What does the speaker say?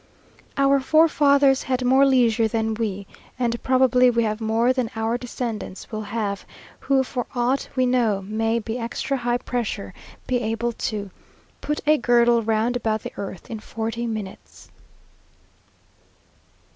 Our forefathers had more leisure than we, and probably we have more than our descendants will have, who, for aught we know, may, by extra high pressure, be able to "Put a girdle round about the earth in forty minutes."